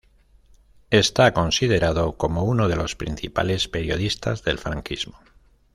Está considerado como uno de los principales periodistas del franquismo.